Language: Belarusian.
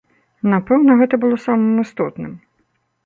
Напэўна, гэта было самым істотным.